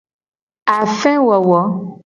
Afewowo.